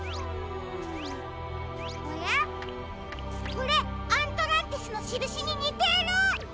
これアントランティスのしるしににてる！